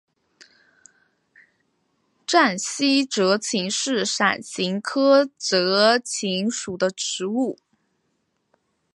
滇西泽芹是伞形科泽芹属的植物。